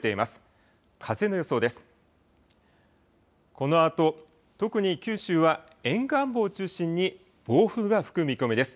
このあと特に九州は、沿岸部を中心に暴風が吹く見込みです。